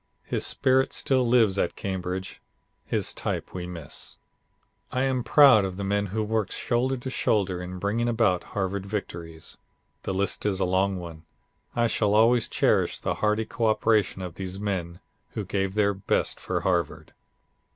His spirit still lives at Cambridge; his type we miss. "I am proud of the men who worked shoulder to shoulder in bringing about Harvard victories. The list is a long one. I shall always cherish the hearty co operation of these men who gave their best for Harvard."